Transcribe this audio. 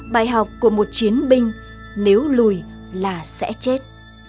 bài học của một chiến binh nếu lùi là sẽ chết